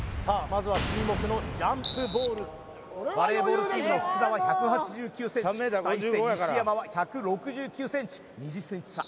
まずは注目のジャンプボールバレーボールチームの福澤１８９ｃｍ対して西山は１６９ｃｍ２０ｃｍ差